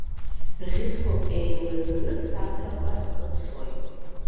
Бӷьыцқәак еилаҩҩы, саԥхьаҟа икаԥсоит.